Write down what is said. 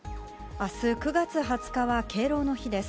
明日９月２０日は敬老の日です。